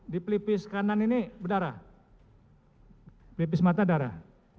di pelipis kanan ini berdarah pelipis mata darah